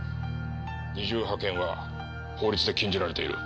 二重派遣は法律で禁じられている。